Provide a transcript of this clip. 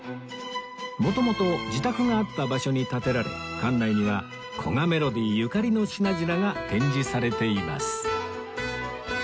元々自宅があった場所に建てられ館内には古賀メロディゆかりの品々が展示されています